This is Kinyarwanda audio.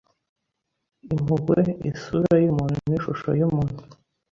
Impuhwe isura yumuntu nishusho yumuntu